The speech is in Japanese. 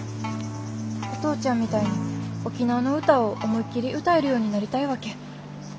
お父ちゃんみたいに沖縄の歌を思いっきり歌えるようになりたいわけ。